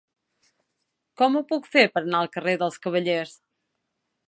Com ho puc fer per anar al carrer dels Cavallers?